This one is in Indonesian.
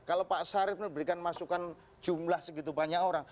kalau pak sarip berikan masukan jumlah segitu banyak orang